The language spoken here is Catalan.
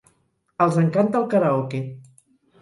Els encanta el karaoke.